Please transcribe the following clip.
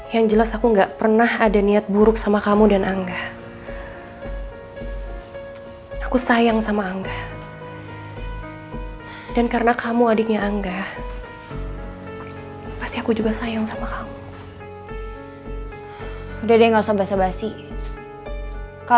yang jelas aku gak pernah ada niat buruk sama kamu dan anggak